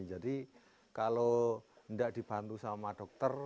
kalau tidak dibantu sama dokter